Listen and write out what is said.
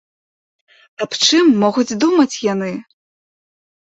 Аб чым могуць думаць яны?